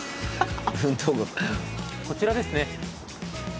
こちらですね。